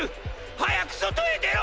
早く外へ出ろ！！